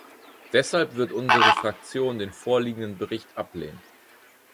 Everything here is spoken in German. Deshalb wird unsere Fraktion den vorliegenden Bericht ablehnen.